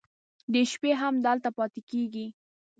د شپې هم دلته پاتې کېږي.